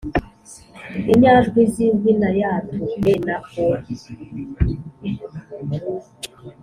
Inyajwi z’impinayatu: (e)na(o),